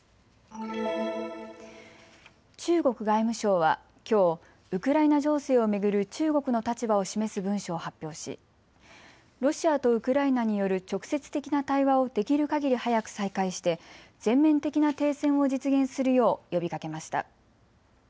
中国外務省はきょう、ウクライナ情勢を巡る中国の立場を示す文書を発表しロシアとウクライナによる直接的な対話をできるかぎり早く再開して全面的な停戦を実現するよう呼びかけました。